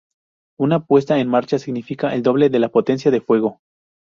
Una puesta en marcha significa el doble de la potencia de fuego.